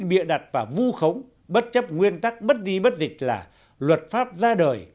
bịa đặt và vu khống bất chấp nguyên tắc bất di bất dịch là luật pháp ra đời